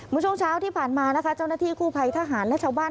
ช่วงเช้าที่ผ่านมานะคะเจ้าหน้าที่กู้ภัยทหารและชาวบ้าน